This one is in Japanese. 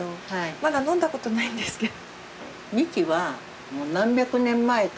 まだ飲んだことないんですけど。